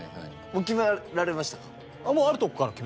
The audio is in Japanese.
もう決められましたか？